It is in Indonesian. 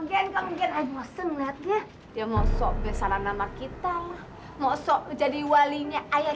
genggam genggam boseng lihatnya dia mau sobek salah nama kita mau sobek jadi walinya ayah